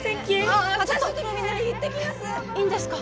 ああっちょっと外のみんなに言ってきますいいんですか？